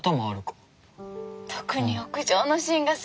特に屋上のシーンが好きで。